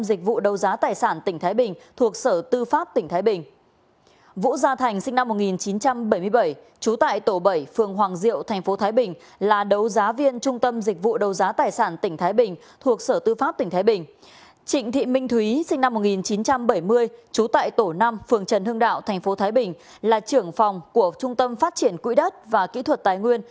là trưởng phòng của trung tâm phát triển quỹ đất và kỹ thuật tài nguyên